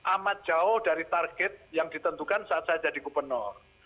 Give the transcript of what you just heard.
amat jauh dari target yang ditentukan saat saya jadi gubernur